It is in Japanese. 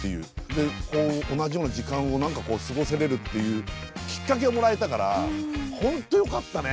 でこう同じような時間を何かこう過ごせれるっていうきっかけをもらえたから本当よかったね。